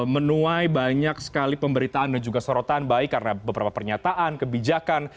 menuai banyak sekali pemberitaan dan juga sorotan baik karena beberapa pernyataan kebijakan